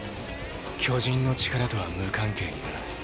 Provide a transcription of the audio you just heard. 「巨人の力」とは無関係にな。